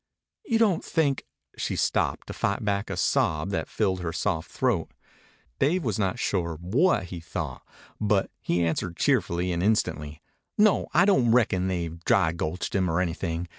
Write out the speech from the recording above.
"You don't think ?" She stopped, to fight back a sob that filled her soft throat. Dave was not sure what he thought, but he answered cheerfully and instantly. "No, I don't reckon they've dry gulched him or anything.